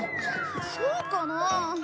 そうかなあ。